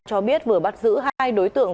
cho biết vừa bắt giữ hai đối tượng